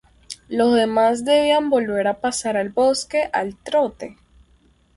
Los demás debían volver a pasar al bosque al trote.